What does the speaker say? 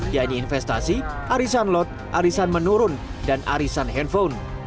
yaitu investasi arisan lot arisan menurun dan arisan handphone